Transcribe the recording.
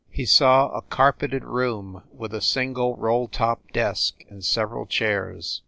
He saw a carpeted room with a single roll top desk and several chairs.